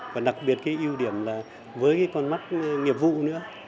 và đặc biệt cái ưu điểm là với cái con mắt nghiệp vụ nữa